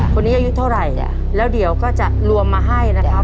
อายุเท่าไหร่แล้วเดี๋ยวก็จะรวมมาให้นะครับ